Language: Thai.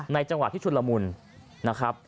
จังหวะที่ชุนละมุนนะครับ